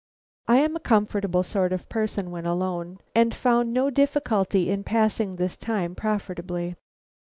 I am a comfortable sort of person when alone, and found no difficulty in passing this time profitably.